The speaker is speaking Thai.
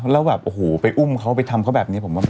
แล้วแบบโอ้โหไปอุ้มเขาไปทำเขาแบบนี้ผมว่า